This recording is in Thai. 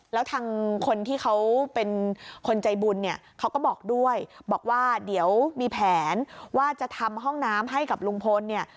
แล้วทางคนที่เขาเป็นคนใจบุญเนี่ยเขาก็บอกด้วยบอกว่าเดี๋ยวมีแผนว่าจะทำห้องน้ำให้กับลุงพลเนี่ย